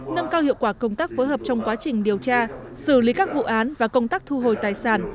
nâng cao hiệu quả công tác phối hợp trong quá trình điều tra xử lý các vụ án và công tác thu hồi tài sản